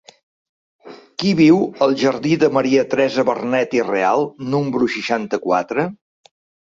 Qui viu al jardí de Maria Teresa Vernet i Real número seixanta-quatre?